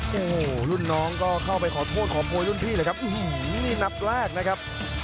โอ้โหรุ่นน้องก็เข้าไปขอโทษขอโพยรุ่นพี่เลยครับนี่นับแรกนะครับ